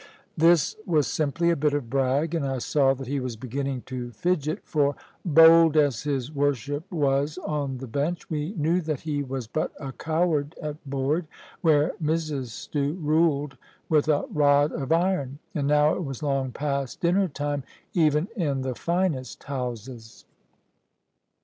This was simply a bit of brag; and I saw that he was beginning to fidget; for, bold as his worship was on the bench, we knew that he was but a coward at board, where Mrs Stew ruled with a rod of iron: and now it was long past dinner time, even in the finest houses.